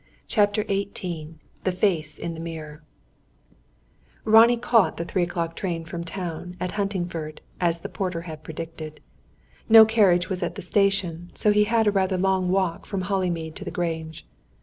CHAPTER XVIII THE FACE IN THE MIRROR Ronnie caught the three o'clock train from town, at Huntingford, as the porter had predicted. No carriage was at the station, so he had a rather long walk from Hollymead to the Grange.